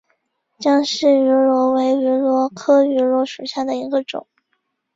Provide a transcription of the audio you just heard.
姜氏芋螺为芋螺科芋螺属下的一个种。